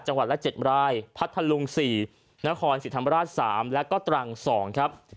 จังหวัดและ๗รายพัทธลุง๔รายนครสิรธรรมราช๓รายและก็ตรัง๒ราย